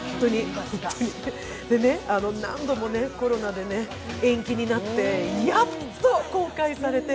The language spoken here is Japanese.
何度もコロナで延期になって、やっと公開されて